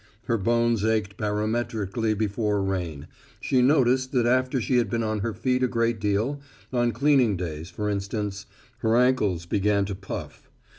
Her bones ached barometrically before rain; she noticed that after she had been on her feet a great deal, on cleaning days for instance, her ankles began to puff.